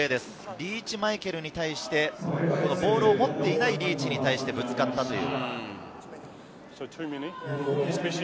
リーチ・マイケルに対して、ボールを持っていないリーチに対して、ぶつかったという。